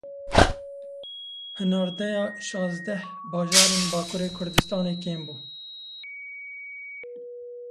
Hinardeya şazdeh bajarên Bakurê Kurdistanê kêm bû.